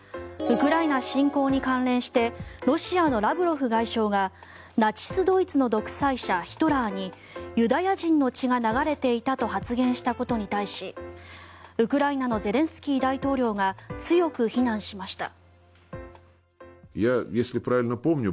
ウクライナ侵攻に関連してロシアのラブロフ外相がナチス・ドイツの独裁者ヒトラーにユダヤ人の血が流れていたと発言したことに対しウクライナのゼレンスキー大統領が強く非難しました。